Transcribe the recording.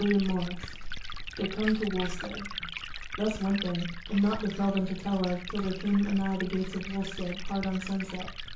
CHAPTER 25 They Come to Wulstead Thus went they, and nought befell them to tell of till they came anigh the gates of Wulstead hard on sunset.